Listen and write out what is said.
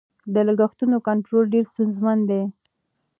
د لګښتونو کنټرولول ډېر ستونزمن دي.